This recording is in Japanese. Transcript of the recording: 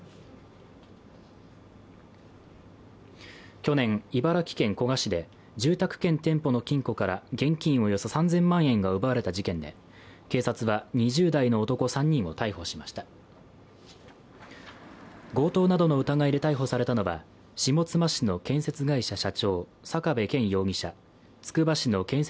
去年、茨城県古河市で住宅兼店舗の金庫から現金およそ３０００万円が奪われた事件で警察は２０代の男３人を逮捕しました強盗などの疑いで逮捕されたのは、下妻市の建設会社社長坂部謙容疑者、つくば市の建設